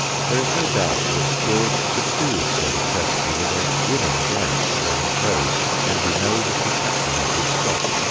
There is no doubt that George could do this sort of courtesy with a winning grace when he chose, and we know that he captivated Scott.